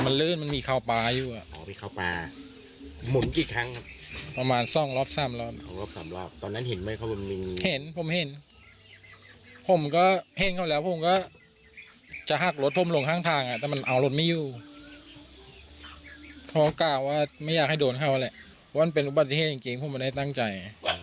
ไม่อยากให้โดนเข้าอะไรว่ามันเป็นอุบัติเทศจริงผู้มาเนี่ยตั้งใจ